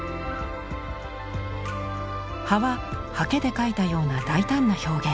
葉は刷毛で描いたような大胆な表現。